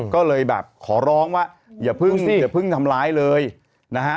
ก็เลยแบบขอร้องว่าอย่าพึ่งสิอย่าเพิ่งทำร้ายเลยนะฮะ